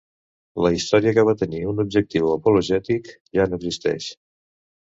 La història, que va tenir un objectiu apologètic, ja no existeix.